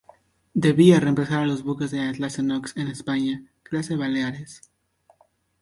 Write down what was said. Debía reemplazar a los buques de la clase Knox, en España, Clase Baleares.